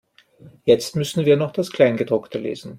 Jetzt müssen wir noch das Kleingedruckte lesen.